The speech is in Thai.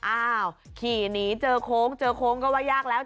อ้าวขี่หนีเจอโค้งเจอโค้งก็ว่ายากแล้ว